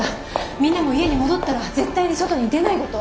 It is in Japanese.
みんなも家に戻ったら絶対に外に出ないこと。